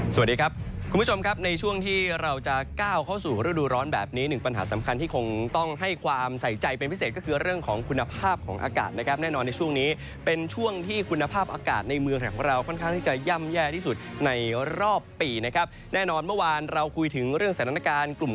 สวัสดีครับคุณผู้ชมครับในช่วงที่เราจะก้าวเข้าสู่ฤดูร้อนแบบนี้หนึ่งปัญหาสำคัญที่คงต้องให้ความใส่ใจเป็นพิเศษก็คือเรื่องของคุณภาพของอากาศนะครับแน่นอนในช่วงนี้เป็นช่วงที่คุณภาพอากาศในเมืองไทยของเราค่อนข้างที่จะย่ำแย่ที่สุดในรอบปีนะครับแน่นอนเมื่อวานเราคุยถึงเรื่องสถานการณ์กลุ่ม